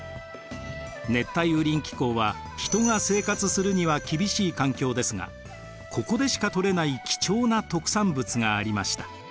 熱帯雨林気候は人が生活するには厳しい環境ですがここでしか採れない貴重な特産物がありました。